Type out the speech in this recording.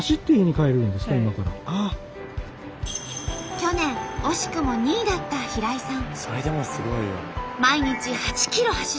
去年惜しくも２位だった平井さん。